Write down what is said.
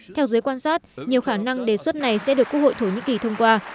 theo giới quan sát nhiều khả năng đề xuất này sẽ được quốc hội thổ nhĩ kỳ thông qua